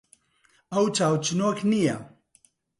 ئەو چاوچنۆک نییە.